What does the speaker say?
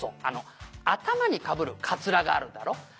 「あの頭にかぶるかつらがあるだろう」